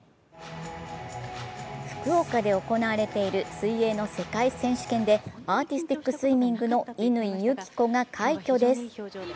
福岡で行われている水泳の世界選手権で、アーティスティックスイミングの乾友紀子が快挙です。